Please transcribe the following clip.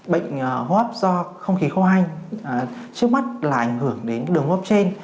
bệnh hô hấp do không khí khô hanh trước mắt là ảnh hưởng đến đường hấp trên